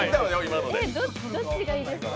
どっちがいいですか？